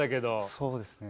そうですね。